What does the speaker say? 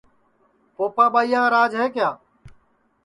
پوپا ٻائیا کا راج ہے کیا